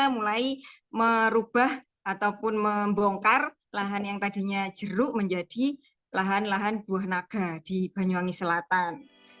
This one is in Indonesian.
mulai merubah ataupun membongkar lahan yang tadinya jeruk menjadi lahan lahan buah naga di banyuwangi selatan